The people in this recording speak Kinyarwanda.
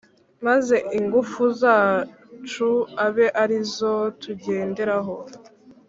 maze ingufu zacu abe ari zo tugenderaho,